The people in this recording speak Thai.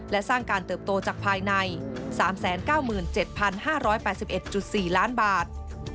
และสร้างการเติบโตจากภายใน๓๙๗๕๘๑๔ล้านบาท